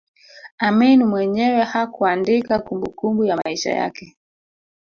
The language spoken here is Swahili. Amin mwenyewe hakuandika kumbukumbu ya maisha yake